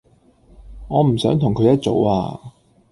我唔想同佢一組呀